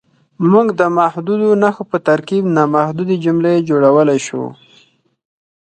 موږ د محدودو نښو په ترکیب نامحدودې جملې جوړولی شو.